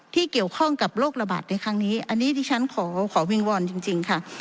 ที่เกี่ยวข้องกับโรคระบาดในครั้งนี้อันนี้ที่ฉันขอวิงวอนจริงค่ะ